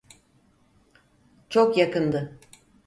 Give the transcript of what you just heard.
Çok yakındı.